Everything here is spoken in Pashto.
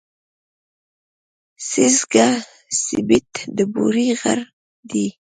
سېځگه سېبت د بوري غر دی.